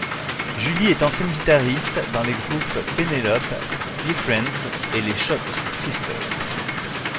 Julie est ancienne guitariste dans les groupes Penelope, Beefriendz et les Shox Sisters.